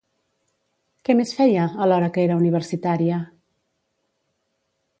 Què més feia, alhora que era universitària?